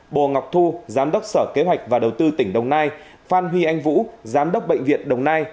bo thu giám đốc sở kế hoạch và đầu tư tỉnh đồng nai phan huy anh vũ giám đốc bệnh viện đồng nai